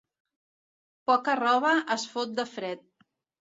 Poca roba es fot de fred.